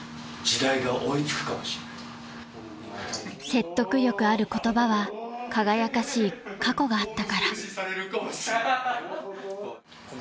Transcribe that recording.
［説得力ある言葉は輝かしい過去があったから］